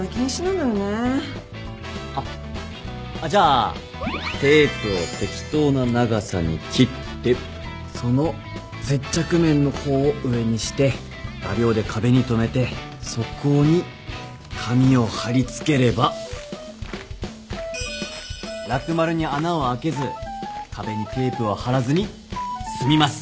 あっあっじゃあテープを適当な長さに切ってその接着面の方を上にして画びょうで壁に留めてそこに紙を貼り付ければラク丸に穴を開けず壁にテープを貼らずに済みます